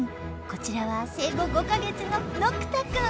こちらは生後５か月ののくたくん。